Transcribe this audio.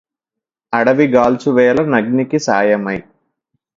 అడవి గాల్చు వేళ నగ్నికి సాయమై